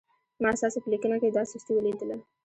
ما ستاسو په لیکنه کې دا سستي ولیدله.